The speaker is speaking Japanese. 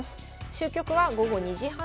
終局は午後２時半過ぎ。